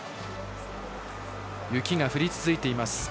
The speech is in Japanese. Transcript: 雪が降り続いています